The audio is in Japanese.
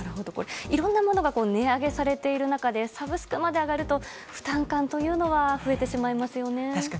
いろんなものが値上げされている中でサブスクまで上がると負担感が増えますよね。